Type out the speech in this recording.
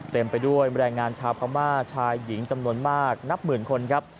เต็มไปด้วยแรงงานชาวพม่าชายหญิงจำนวนมากนับหมื่นคนครับ